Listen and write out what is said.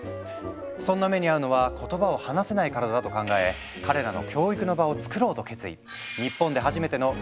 そんな目に遭うのは言葉を話せないからだと考え彼らの教育の場をつくろうと決意。